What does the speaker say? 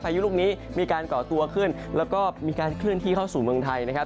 ยุลูกนี้มีการก่อตัวขึ้นแล้วก็มีการเคลื่อนที่เข้าสู่เมืองไทยนะครับ